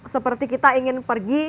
seperti kita ingin pergi